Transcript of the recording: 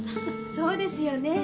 そうですよねえ